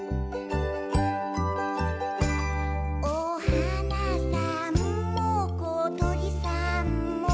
「おはなさんもことりさんも」